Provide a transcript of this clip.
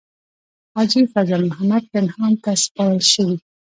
حاجي فضل محمد پنهان ته سپارل شوې.